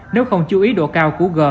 nếu không chú ý độ cao của g